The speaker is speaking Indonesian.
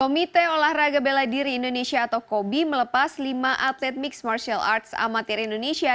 komite olahraga bela diri indonesia atau kobi melepas lima atlet mixed martial arts amatir indonesia